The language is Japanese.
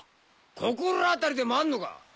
心当たりでもあんのか？